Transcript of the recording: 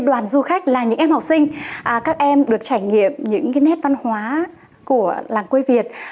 đoàn du khách là những em học sinh các em được trải nghiệm những nét văn hóa của làng quê việt